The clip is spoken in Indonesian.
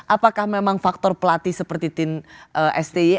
apakah memang faktor pelatih seperti tim sti